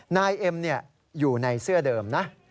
นายเอ็มอยู่ในเสื้อเดิมนะ